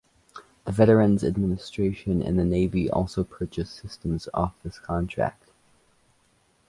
The Veterans Administration and the Navy also purchased systems off this contract.